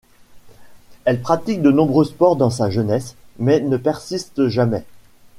Elle pratique de nombreux sports dans sa jeunesse, mais ne persiste jamais.